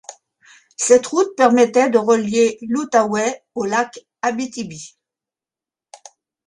Cette route permettait de relier l'Outaouais au lac Abitibi.